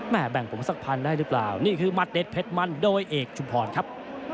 แบ่งผมสักพันได้หรือเปล่านี่คือมัดเด็ดเผ็ดมันโดยเอกชุมพรครับ